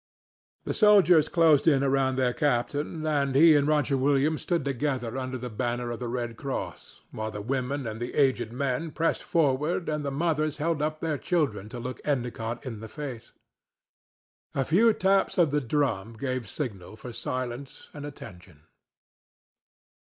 The soldiers closed in around their captain, and he and Roger Williams stood together under the banner of the red cross, while the women and the aged men pressed forward and the mothers held up their children to look Endicott in the face. A few taps of the drum gave signal for silence and attention.